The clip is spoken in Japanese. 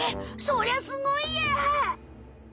そりゃすごいや。